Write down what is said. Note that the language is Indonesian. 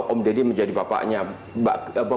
om deddy menjadi bapaknya